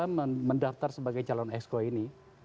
mendaftar sebagai calon exco ini